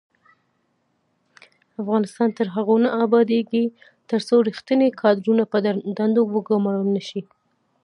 افغانستان تر هغو نه ابادیږي، ترڅو ریښتیني کادرونه په دندو وګمارل نشي.